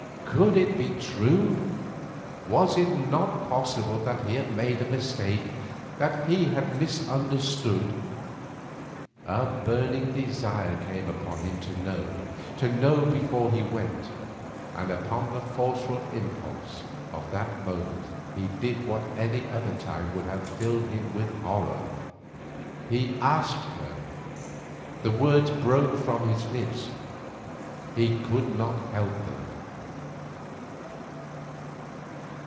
Could it be true? Was it not possible that he had made some mistake? that he had misunderstood? A burning desire came upon him to know, to know before he went, and upon the forceful impulse of that moment he did what at any other time would have filled him with horror. He asked her; the words broke from his lips; he could not help them.